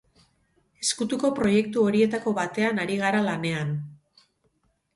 Ezkutuko proiektu horietako batean ari gara lanean.